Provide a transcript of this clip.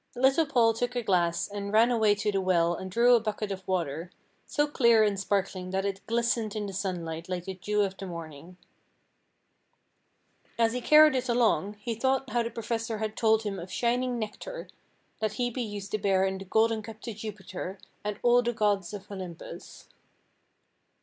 Little Paul took a glass and ran away to the well and drew a bucket of water, so clear and sparkling that it glistened in the sunlight like the dew of the morning. As he carried it along, he thought how the professor had told him of shining nectar that Hebe used to bear in the golden cup to Jupiter and all the gods of Olympus.